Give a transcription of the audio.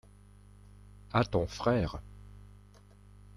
À ton frère.